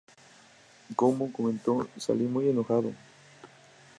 Cuomo comentó, "Salí muy enojado.